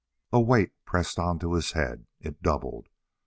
A weight pressed onto his head. It doubled.